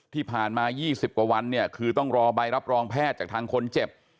ที่ผ่านมา๒๐กว่าวันเนี่ยคือต้องรอใบรับรองแพทย์จากทางคนเจ็บ